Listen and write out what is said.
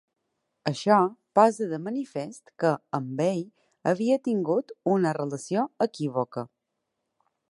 Això posa de manifest que amb ell havia tingut una relació equívoca.